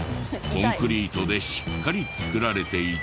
コンクリートでしっかり作られていて。